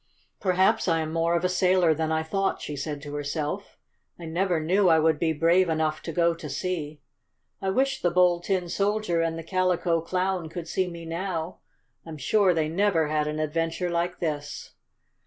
"Perhaps I am more of a sailor than I thought," she said to herself. "I never knew I would be brave enough to go to sea. I wish the Bold Tin Soldier and the Calico Clown could see me now. I'm sure they never had an adventure like this!"